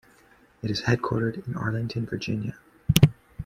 It is headquartered in Arlington, Virginia.